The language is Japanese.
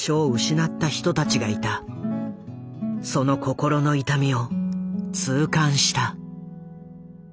その心の痛みを痛感した。